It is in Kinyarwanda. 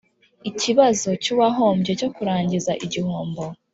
ikibazo cy uwahombye cyo kurangiza igihombo